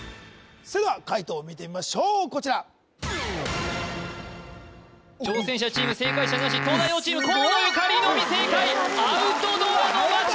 それでは解答を見てみましょうこちら挑戦者チーム正解者なし東大王チーム河野ゆかりのみ正解「アウトドアのまち」